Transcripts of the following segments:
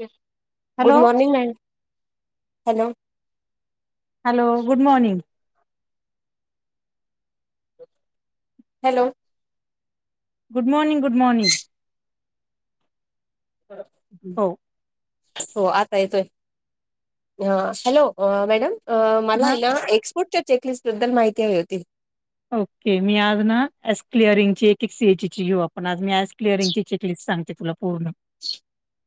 Okay [unintelligible] good morning ma'am hello hello good morning hello good morning good morning हो हो आता येतोय ह हॅलो मॅडम मला हा आहे ना एक्सपोर्टच्या चेकलिस्ट बद्दल माहिती हवी होती ओके मी आज ना एस क्लिअरिंग ची एक एक सीए ची घेऊ आपण आज मी [unintelligible]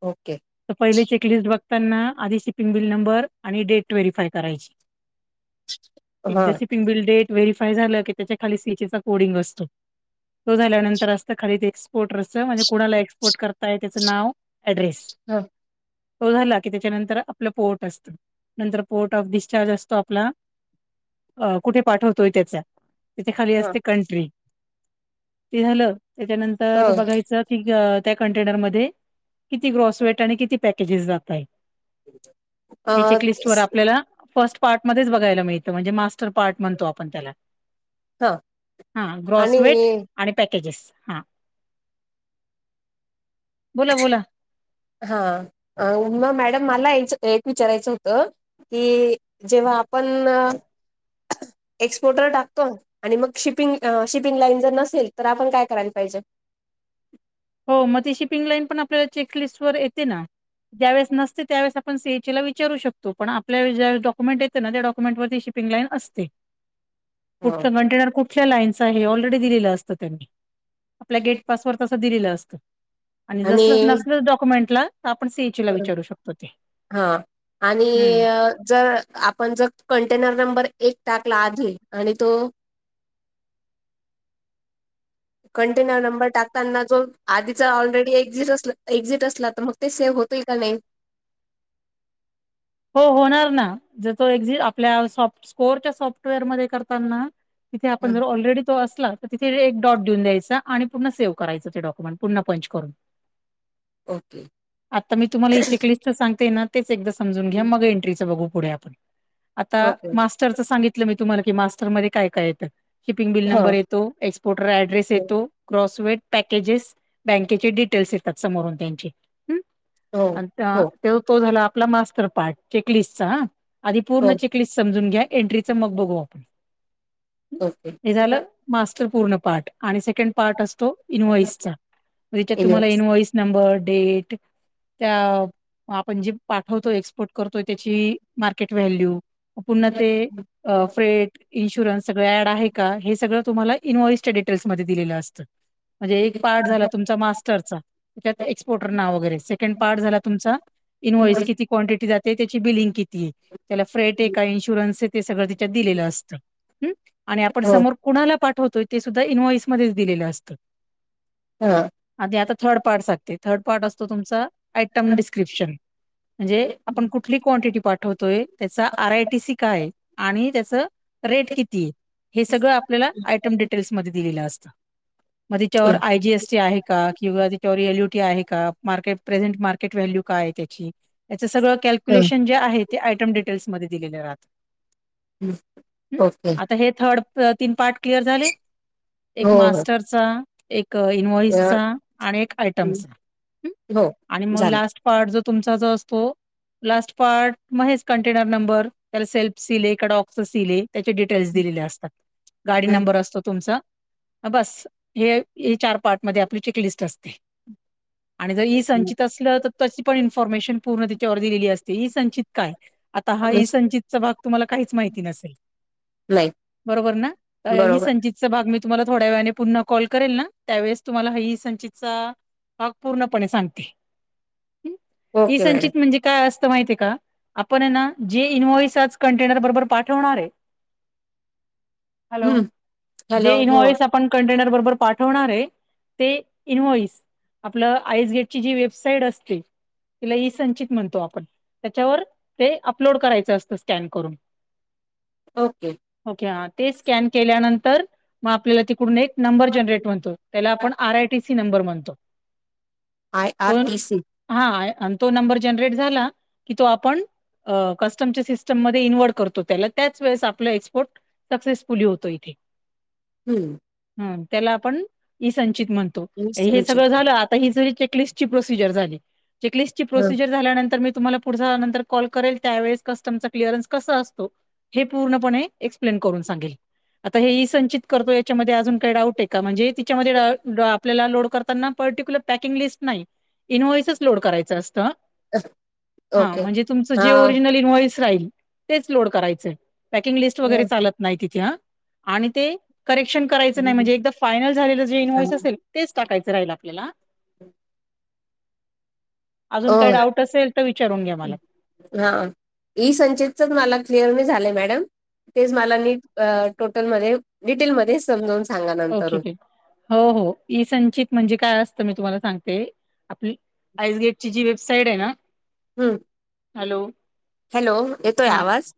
ओके तर पहिले चेकलिस्ट बग त्यांना आधी शिपिंग बिल नंबर आणि डेट व्हेरीफाय करायची एकदा हां शिपिंग बिल डेट व्हेरीफाय झालं की त्याच्या खाली सीचचा कोडिंग असतो तो झाल्यानंतर असता खाली ए एक्सपोर्टरसच म्हणजे कुणाला एक्सपोर्ट करताय त्याचं नाव अड्रेस हम तो झाला की त्याच्यानंतर आपलं पोट असत नंतर पोर्ट ऑफ डिस्चार्ज असतो आपला अ कुठे पाठवतोय त्याचा तिथे खाली हां असते कंट्री ते झालं त्याच्यानंतर हां बघायचं ठीक त्या कंटेनरमध्ये किती ग्रॉस वेट आणि किती पॅकेजेस जात आहे. हे चेकलिस्ट वर आपल्याला फर्स्ट पार्ट मध्येच बघायला मिळतं म्हणजे मास्टर पार्ट म्हणतो आपण त्याला हा हा ग्रॉसवेट आणि पॅकेजेस हा बोला-बोला हा उमा मॅडम मला एक विचारयचं होतं की जेव्हा पण एक्सपोर्टर टाकतो ना आणि मग शिपिंग-शिपिंग लाईन जर नसेल तर आपण काय करायला पाहिजे? हो मग ते शिपिंग लाईन पण आपल्याला चेकलिस्ट वर येते ना. ज्यावेळेस नसते त्यावेळेस आपण सी एच ला विचारू शकतो पण आपल्या जेव्हा डक्युमेंट येते ना त्या डक्युमेंटर श शिपिंग लाईन असते. [inaudible] [unintelligible] कुठल कंटेनर कुठल्या लाईनच हे ऑलरेडी दिलेलं असतं त्यांनी आपल्या गेटपासवर तसं दिलेलं असतं आणि जसल नसल डॉक्युमेंटला तो आपण सी एच ला हा आणि हम्म जर आपण जर कंटेनर नंबर एक टाकला आधी आणि तो कंटेनर नंबर टाकताना जो आधीचा ऑलरेडी एक्झिट अस एक्झिट असला तर मग- ते सेव्ह होतील का नाही? हो होणार ना जर तो एझ आपल्या सॉफ्ट स्कोअरच्या सॉफ्टवेअरमध्ये करताना तिथे आपण हं. जर ऑलरेडी तो असला तिथे एक डॉट देऊन द्यायचा आणि पुन्हा सेव्ह करायंच ते डक्युमेंट पुन्हा पंच करून. ओके आता मी तुम्हाला हे चेकलिस्ट सांगते ना तेच एकदा समजा घ्या मग एंट्रीचं बघू पुढे आपण. आता ओके मास्टरचं सांगितलं मी तुम्हाला की मास्टर मध्ये काय-काय येतं शिपिंग बिल हा नंबर येत तो एक्सपोर्टर ऍड्रेस हो येतो क्रॉसवेट पॅकेजेस बँकेचे डिटेल्स येतात समोरून त्यांची हो. हो तो झाला आपला मास्टर पार्ट चेकलिस्टचा हं आधी पूर्ण हो. चेक चेकलिस्ट समजून घ्या एंट्रीच मग बघू आपण ओके हे झालं मास्टर पूर्ण पार्ट आणि सेकंड पार्ट असतो इन्व्हइसचा मग ज्याच्यात तुमला इन्व्हेस्ट. इनवइस नंबर, डेट, त्या आपण जे पाठवतो ए करतोय त्याची मार्केट व्हॅल्यू पुन्हा ते फेट इन्शुरनस सगळ ऍड आहे का हे सगळं तुम्हाला इन्व्हाईटच्या डिटेल्समध्ये दिलेलं असतं म्हणजे एक पार्ट झाला तुमचा मास्टरचा त्यात एक्सपोर्टर नाव वगैरे सेकंड पार्ट झाला तुमचा इनव्हइस किती क्टिट ते जाते त्याची बिलिंग किती त्याला फॅट का इन्शुरन्स आहे सगळं त्यात दिलं असत हम्मं. आणि आपण हो समोर कुणाला पाठवतोय ते सुद्धा इन्व्हॉइसमध्येच दिलेलं असतं. हा आधी आता थर्ड पार्ट सांगते थर्ड पार्ट असतो तुमचा आयटम डिस्क्रिप्शन म्हणजे आपण कुठली क्वांटिटी पाठवतोय त्याचा आर आयटीसी काय आणि त्याच रेट किती आहे हे सगळं आपल्याला आयटम डिटेल्समध्ये दिलेलं असतं. मग तिच्यावर आय जीएसटी आहे का किंवा त्याच्यावर एल यु टी आहे का मार्केट प्रेझेंट मार्केट व्हॅल्यू काय आहे त्याची सगळं हम्म कॅल्क्युलेशन जे आहे ते आयटम डिटेल्समध्येध्ये दिलेले राहत. ओके आता हे थर्ड तीन पार्ट क्लिअर झाले. एक हो हो मास्टर मास्टर चा एक इन्व्हाईट अ, चा आणि एक हं. आयटमचा हो आणि मग झालं लास्ट पार्ट जो तुमचा जो हो लास्ट पार्ट महेच कंटेनर नंबर त्याला सेल्फ सिले एका डॉक्स सिले त्याचे डिटेल्स दिलेले असतात. गाडी नंबर असतो तुमचा- बस, हे हे चार पार्टमध्ये आपलीच एक लिस्ट असते. आणि जर इई संचित असलं तर तशी पण इन्फॉर्मेशन पूर्ण त्याच्यावर दिलेली असते ई संचित काय आता हा इ येस, संंजितचा भाग तुम्हाला काहीच माहिती नसेल. नाही बरोबर ना, ह बरोबर संजित भाग मी तुम्हाला थोड्या वेळाने पुन्हा कॉल करेल ना, त्यावेळेस तुम्हाला ह संचितचा भाग पूर्णपणे सांगते. इ ओके मॅडम संचित म्हणजे, काय असतं माहितीय का, आपण ना जे इन्व्हॉइस आज कंटेनर बरोबर पाठवणार आहे. [inaudible] हॅलो, हम्म हॅलो जे इन हो व्हॉइस आपण कंटेनर बरोबर पाठवणार आहे. ते इनव्हॉइस आपलं आईसगेटची जी वेबसाईट असते. तिला इसंचित म्हणतो आपण, त्याच्यावर ते अपलोड करायचं असतं स्कॅन करून. ओके. ओके ते स्कॅन केल्यानंतर मग आपल्याला त पूर्ण एक नंबर जनरेट म्हणतो. त्याला आपण आर आयटीसी नंबर म्हणतो. आय आर टी सी हा आणि तो नंबर जनरेट झाला. की तो आपण कस्टमच्या सिस्टममध्ये इनवर्ट करतो त्याला. त्याच वेळेस आपला एक्सपोर्ट सक्सेसफुली होतो. इथे हम्म. हम त्याला आपण इ संंचित म्हणतो मी हे समजेल. सगळं झालं आ ही चेकलिस्ट ची प्रोसिजर झाली. चेकलिस्ट ची हं, प्रोसिजर झाल्यानंतर मी तुम्हाला पुढ नंतर कॉल करेल त्यावेळेस कस्टमचा कलिअरनस कस असतो. हे पूर्णपणे एक्सप्लेन करून सांगेल. आता हे संचित करतोय त्याच्या मध्ये अजून काही डाऊट आहे का, म्हणजे तिच्या आपल्याला लोड करताना पर्टिक्युलर पॅकिंग लिस्ट नाही इनवोयसस अलोड करायचं असत. हा ओके म्हणजे तुमचं हा जे ओरिजनल इन्व्हॉइस राहील तेच लोड करायचंय. पॅकिंग लिस्ट वगैरे हो चालत नाही तिथे ह आणि ते करेक्शन करायचं नाही म्हणजे एकदा फायनल झालेलं जे इ्व्हॉइस असेल तेच टाकायचं राहील आपल्याला. हम अजून काही डाऊट असेल तर विचारून घ्या मला हा इ संचितचच मला क्लिअर मी झालं मॅडम तेच मला नीट अ टोटल मध्ये डिटेलमध्ये समजावून सांगा नंतर ओके, ओके. हो हो इईसंचित म्हणजे काय असतं मी तुम्हाला सांगते आपली आइसगेटची जी वेबसाईट आहे ना हम्म हॅलो हॅलो येतोय आवाज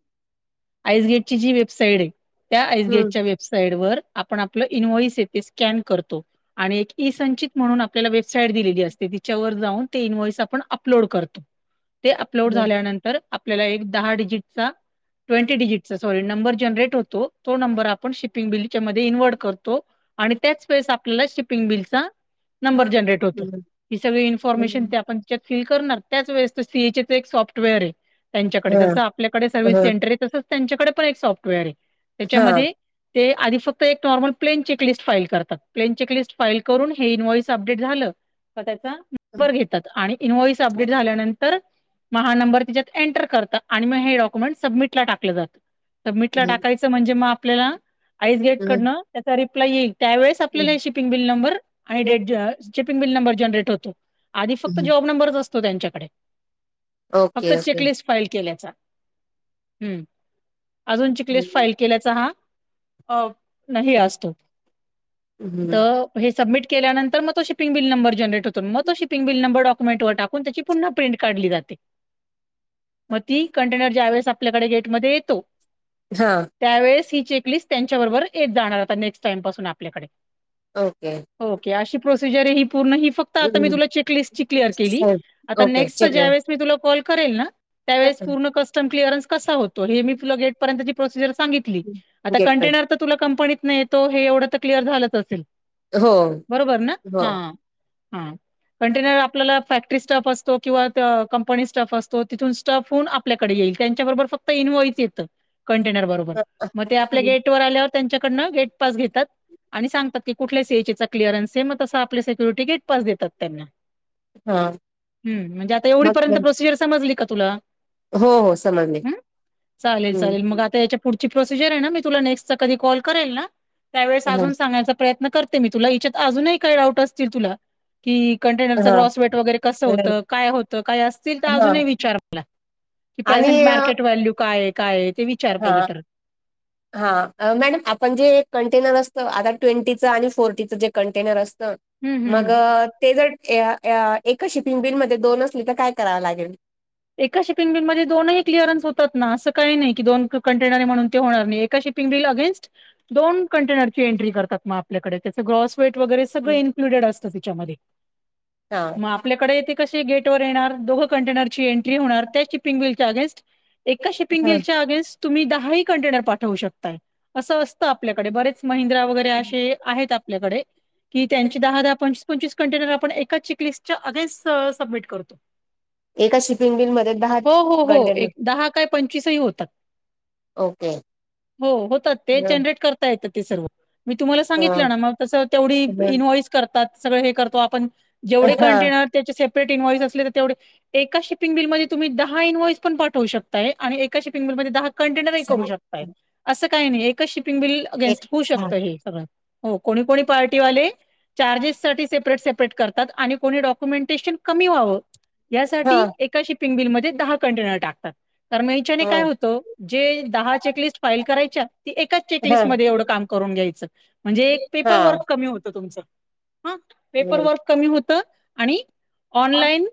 आईसगेट ची जी वेबसाइट आहे त्या हम्म आइसगेटच्या वे साईड वर आपण आपलं इन्व्हॉइस येते स्कॅन करतो आणि एक इसंचित म्हणून आपल्याला वेबसाईट दिलेली असते तिच्यावर जाऊन ते इन्व्हॉइस आपण अपलोड करतो ह ते अपलोड झाल्यानंतर आपल्याला एक दहा डिजिटचा ट्वेंट डजिटचा सॉरी नंबर जनरे होतो तो नंर आपण श िपिंग बिलच्या म इन्वर्ट करतो आणि त्याच पै आपल्याला शिपिंग बिलचा नंबर जनरेट होतो ही सगळी इन्फॉर्मेशन आपण फि कर त्याच वेळेस सीएचच एक सॉफ्टवेअर आहे त्यांच्याकडे ह जसं आपल्याकडे सर्वि्हस ह सेंटर आहे तसच त्यांच्याकडे पण एक सॉफ्टवेअर आहे हा त्याच्यामध्ये ते आधी फक्त एक नॉर्मल प्लेन चेकलिस्ट फाईल करतात प्लेन चेकलिस्ट फाईल करून हे इन्वाईज अपडेट झालं त्याचा नंबर घेतात आणि इनव्हॉइस अपडेट झाल्यानंतर मग हा नंबर तिच्यात एंटर करतात आणि मग हे डक्युमेंट सबमिट मिला टाकलं जात तर मिटला हम्म टाकायचं म्हणजे मग आपल्याला आईसगेट हम्म कडनं त्याचा रिप्लाय येईल त्यावेळेस आपल्याला शिपिंग बिल नंबर आणि date shipping bill number generate होतो आधी फक्त हम्म. जॉब नंबरच असतो त्यांच्याकडे फक्त ओके ओके चेकलिस्ट फाईल केल्याचा हम्म अजून चिक्लिस् फाईल हम्म. केल्याचा हा अ नाही असतो तर हे सबमिट केल्यांतर म तो शिपिंगनंबर जनरेट होत मग तो शिपिंग नंबर डॉक्युमेंट वर टाकून त्याची पुन्हा प्रिंट काढली जाते मग ती कंटेनर ज्या वेळेस आपल्याकडे गेटमध्ये येतो हा त्यावेळेस ही चेकलिस्ट त्यांच्या बरोबर येत जाणार होता नेक्स्ट टाइम पासून आपल्याकडे ओके ओके अशी प्रोसिजर ही पूर्ण ही फक्त त आता तर तुला हम्म. मी आता चेकलिस्ट क्लिअर केली साहेब, आता ओके नेक्स्ट च चेकमेट ज्यावेळेस मी तुला कॉल करेन ना त्यावेळेस पूर्ण कस्टम क्लीरमस कसा होतो हे तुला मी गेटपर्यंत प्रोसिजर सांगितली आता गेट पण कंटेनरं तुला कंपनीतेतो हे एवढं क्लिअर झालंच असेल हो बरोबर ना हो ह हा कटेनर आपल्याला ॅक्री स्टाफ असतो किंवा कंपनी स्टाफ असतो तिथून स्टाफहून आपल्याकडे येईल त्याचबरोबर फक्त इन्व्हाईस येत कंटेनबरोबर गेटवर ते आपल्यावर आल्यावर कंटेनर त्यांच्याकडनं गेटपास घेतात आणि सांगतात कुठ सीएई चा क्लअरन्स आहे मग तस आप सिक्युरिटी गेटपास देतात त्यांना हा हम् म्हणजे आता मग एवढीपर्यंत प्रोसिजर समजली का तुला हो हो समजले हं. चालेल चालेल मग ह आता याच्या पुढची प्रोसिजर आहे ना मी तुला नेक्स्टचा कधी कॉल करेल ना त्यावेळेस अजून सांगायचा प्रयत्न करते मी तुला हच्यात अजूनही काही डाऊट असतील तुला की कंटेनरच हा ग्रॉस वेट वगैरे कसं हा होतं काय होतं काय असतील तर हा अजूनही विचार मला ही आणि प्रेझंट मार्क अ, काय काय ते हा तर. हा मॅडम आपण जे एक कंटेनर असत आता ट्वेंटीचं आणि फोर्टीचं जे कंटेनर असतं हं, हं, मग हं. ते जर एक शिपिंग बिन म दोन असली तर काय करावं लागेल एका शिपिंग बिल मध्ये दोनही एका एका शिपिंग मध्ये दोन क्लअरन्स होतात ना असं काही नाही की दोन कंटेनरे म्हणून ते होणार नाही एका शिप पिंगडल अगेनस्ट दोन कंटेनरची एंट्री करतात म आपल्याकडे त्याच ग्रॉस वेट वगैरे सगळ इन्क्लुडेड असतं त्याच्यामध्ये हां. मग आपल्याकडे ते कसे गेट वर येणार दोघं कंटेनर ची एंट्री होणार त्या शिपिंग विल अगे्स्ट एकका हं. शपिंगेलच्या अगेस्ट तुम्ही दहा ह कंटेनर पाठवू शकताय असं असतं आपल्याकडे बरेच महिंद्रा वगैरे असे आहेत आपल्याकडे की त्यांची दहा दहा पण पंचवीस कंटेनर आपण एका चेकलिस्ट च्या अगेनस्ट सबमिट करतो एका शिपिंग बिलमध्येध्ये दहा हो, हो, हो. कंटेन एक काय पंचवीस बी होतात. ओके. हो हो होतात ते हं, जनरेट करता त येते ते सर्व मी तुम्हाला हं, सांगितलं ना म ग ते तेवढे हं. इन्व्हाईस करतात सगळे हे करतो आपण जेवढे हां. कंटेनर त्याचे सेपरेट इन्वइस असले तर तेवढे एकाशी शिपिंगिलमध्ये तुम्ही दहा इन्वॉइस पण पाठवू शकताय आणि एका शिपिंग बिलमध्ये दहा कंटेनरही करू शकता असं काही नाही एकच शिपिंग बिल अगेन्स्ट होऊ शकतं हे सगळं हो कोणी कोणी पार्टीवाले चार्जेस साठी सेपरेट सेपरेट करतात आणि कोणी डॉक्युमेंटेशन कमी व्हावं यासाठी हां, एका शिपिंग बिलमध्ये दहा कंटेनर टाकतात कार म हच्याने काय हं. होतो जे दहा चेकलिस्ट फाईल करायच्या एका चेकलिस्ट म हां. एवढं काम करून घ्यायचं म्हणजे एक पेपर वर्क हां. कमी होतं तुमचं हा पेपर हं. वर्क कमी होत आणि ऑनलाइन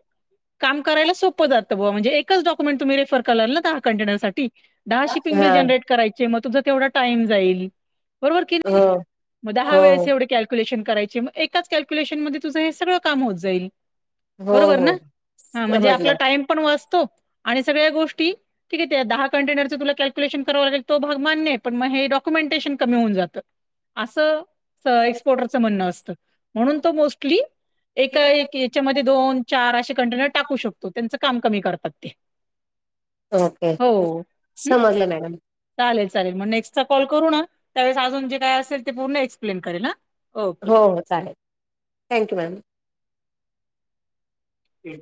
कराला सोपं जात बणजे एकचडॉक्यमेटेफ क कंे सा दहा शंग ब हां. जरे कराय मग तुम तेवााईमईल बरोबर की नाही हो, म हा हो, वेळेस एवढे क कल््युशन करायची मग एका कॅल््युलेशन मध्ये तुझ हे सळं काम होत जाईल हम् हम हा म्हणजे आपला टाइम पण वाचतो आणि सगळ्या गोष्टी ठीक आहे ते दहा कंटेनरं तुला कॅल्क्युलेशन करां लागेल तो भाग मान्य प मग हे ॉक्युमेटेशन कमी होन जातं अस एसपोर्टरच म्हणणं असत म्हणून तो मोस्टली ए की याच्यामध्ये दोन चार असे कंटेनर टाकू शकतो त्यांच काम कमी करतात ते ओके हो हम् समजलं मॅडम. चालेल चालेल मग नेक्स्ट चा कॉल करू ना त्यावेळेस अजून जे काय असेल ते पूर्ण एक्सप्लेन करेल ना हो चालेल थँक्यू मॅम ते